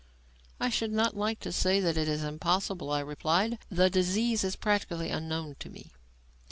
"I should not like to say that it is impossible," I replied. "The disease is practically unknown to me.